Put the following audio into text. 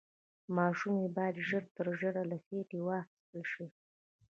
ماشوم يې بايد ژر تر ژره له خېټې واخيستل شي.